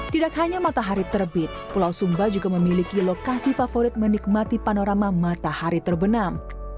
tidak hanya matahari terbit pulau sumba juga memiliki lokasi favorit menikmati panorama matahari terbenam